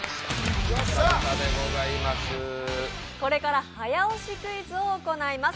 これから早押しクイズを行います。